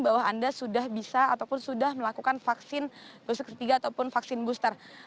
bahwa anda sudah bisa ataupun sudah melakukan vaksin dosis ketiga ataupun vaksin booster